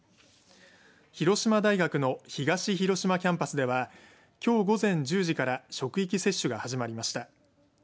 広島大学の東広島キャンパスではきょう午前１０時から職域接種が始まりました。